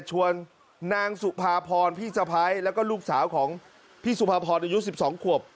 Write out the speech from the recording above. ชวนนางสุภาพรพี่สะพ้ายแล้วก็ลูกสาวของพี่สุภาพรอายุ๑๒ขวบ